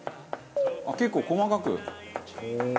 結構細かく。